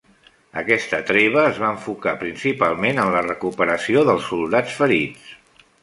Aquesta treva es va enfocar principalment en la recuperació dels soldats ferits.